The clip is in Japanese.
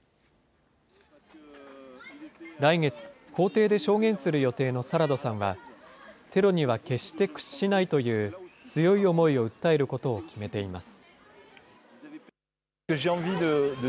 来月、法廷で証言する予定のサラドさんは、テロには決して屈しないという強い思いを訴えることを決めています。